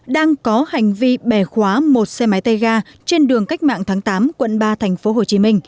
đang có hành vi bẻ khóa một xe máy tay ga trên đường cách mạng tháng tám quận ba tp hcm